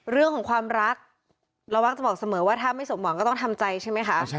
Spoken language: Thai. เรื่องของความรักเรามักจะบอกเสมอว่าถ้าไม่สมหวังก็ต้องทำใจใช่ไหมคะ